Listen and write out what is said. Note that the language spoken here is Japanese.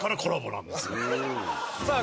さあ